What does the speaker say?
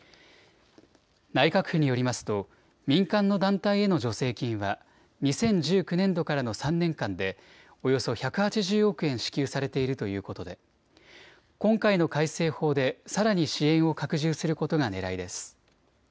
内閣府によりますと民間の団体への助成金は２０１９年度からの３年間でおよそ１８０億円支給されているということで今回の改正法でさらに支援を拡充することがねらいです。